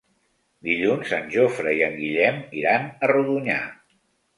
Dilluns en Jofre i en Guillem iran a Rodonyà.